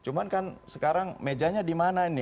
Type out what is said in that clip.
cuma kan sekarang mejanya di mana ini